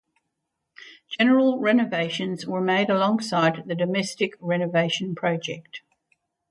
General renovations were made alongside the domestic renovation project.